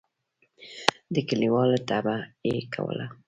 د کلیوالو طبعه یې کوله.